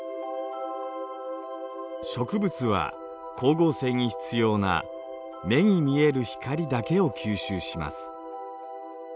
植物は光合成に必要な目に見える光だけを吸収します。